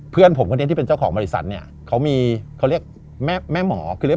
เพื่อนผมเงี้ยที่เป็นเจ้าของบริษัทเนี่ย